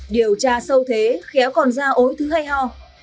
điều tra sâu thế khéo còn ra ối thứ hay ho